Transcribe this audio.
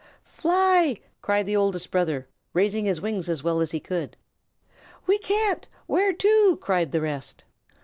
"Fly!" cried the Oldest Brother, raising his wings as well as he could. "We can't. Where to?" cried the rest.